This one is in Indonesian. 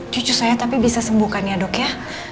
cucu saya tapi bisa sembuhkan ya dok ya